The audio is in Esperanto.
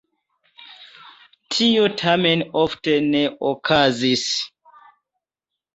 Tio tamen ofte ne okazis.